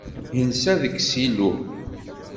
Yensa deg ssilu.